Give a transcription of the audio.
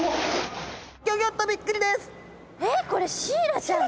えっこれシイラちゃんなの！？